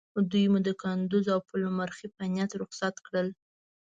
دوی مو د کندوز او پلخمري په نیت رخصت کړل.